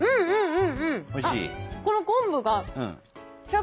うん！